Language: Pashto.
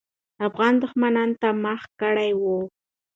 افغانان دښمن ته مخه کړې وه.